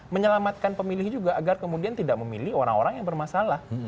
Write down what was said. menyelamatkan pemilih juga agar kemudian tidak memilih orang orang yang bermasalah